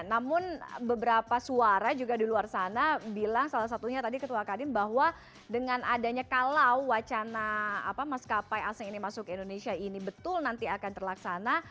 namun beberapa suara juga di luar sana bilang salah satunya tadi ketua kadin bahwa dengan adanya kalau wacana maskapai asing ini masuk ke indonesia ini betul nanti akan terlaksana